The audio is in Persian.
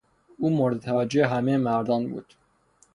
او مورد توجه همهی مردان بود.